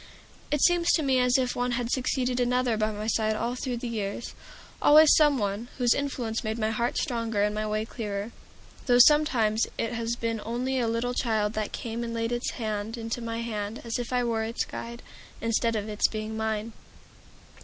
It seems to me as if one had succeeded another by my side all through the years, always some one whose influence made my heart stronger and my way clearer; though sometimes it has been only a little child that came and laid its hand into my hand as if I were its guide, instead of its being mine.